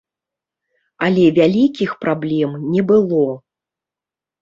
Але вялікіх праблем не было.